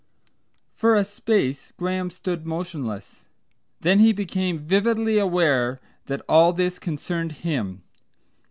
For a space Graham stood motionless. Then he became vividly aware that all this concerned him.